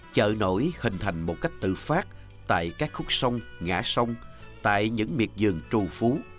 chợ nổi hình thành một cách tự phát tại các khúc sông ngã sông tại những miệt dường trù phú